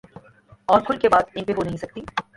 اورکھل کے بات ان پہ ہو نہیں سکتی۔